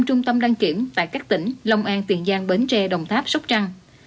năm trung tâm đăng kiểm tại các tỉnh lòng an tiền giang bến tre đồng tháp sóc trăng